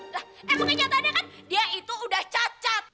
lah eh mungkin nyatanya kan dia itu udah cacat